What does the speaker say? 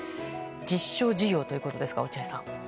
実証事業ということですが落合さん。